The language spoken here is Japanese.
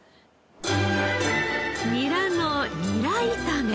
ニラのニラ炒め。